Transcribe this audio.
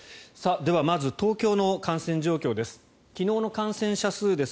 では、まず東京の感染状況です。